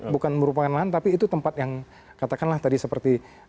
bukan merupakan lahan tapi itu tempat yang katakanlah tadi seperti